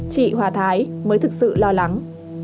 chị hòa thái mới thực sự lo lắng